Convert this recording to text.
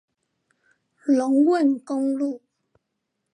龍汶公路